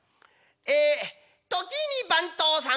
え時に番頭さん